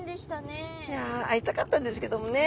いや会いたかったんですけどもね。